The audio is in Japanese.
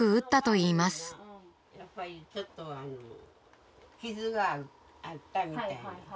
やっぱりちょっとあの傷があったみたい。